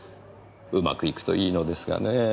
うまくいくといいのですがねぇ。